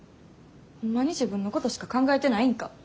ホンマに自分のことしか考えてないんか。